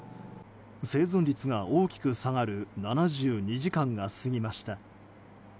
生存率が大きく下がる７２時間が過ぎました。